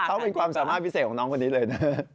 เขาเป็นความสามารถพิเศษของน้องคนนี้เลยนะ